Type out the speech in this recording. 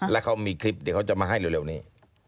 แล้วเขามีคลิปเดี๋ยวเขาจะมาให้เร็วนี้